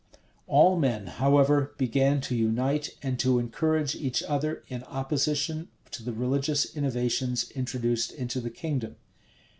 [*] All men, however, began to unice and to encourage each other in opposition to the religious innovations introduced into the kingdom.